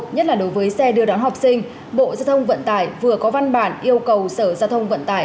nhất là đối với xe đưa đón học sinh bộ giao thông vận tải vừa có văn bản yêu cầu sở giao thông vận tải